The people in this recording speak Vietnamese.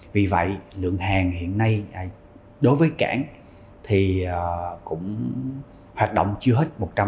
vì vậy lượng hàng hiện nay đối với cảng thì cũng hoạt động chưa hết